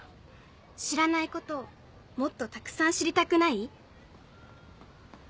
知らないこともっとたくさん知りたくない？